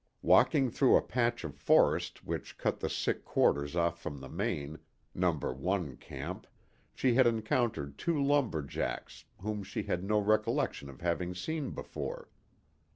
Walking through a patch of forest which cut the sick quarters off from the main, No. 1, camp, she had encountered two lumber jacks, whom she had no recollection of having seen before.